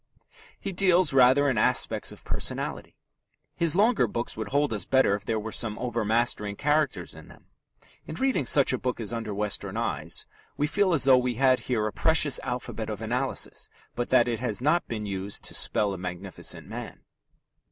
He deals rather in aspects of personality. His longer books would hold us better if there were some overmastering characters in them. In reading such a book as Under Western Eyes we feel as though we had here a precious alphabet of analysis, but that it has not been used to spell a magnificent man.